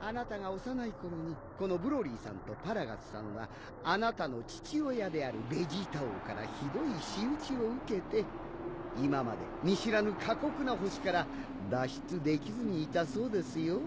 あなたが幼いころにこのブロリーさんとパラガスさんはあなたの父親であるベジータ王からひどい仕打ちを受けて今まで見知らぬ過酷な星から脱出できずにいたそうですよ。